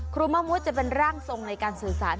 มะมุดจะเป็นร่างทรงในการสื่อสาร